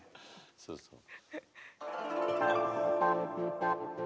そうそう。